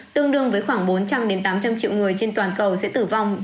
tương đương với khoảng bốn trăm linh tám trăm linh triệu người trên toàn cầu sẽ tử vong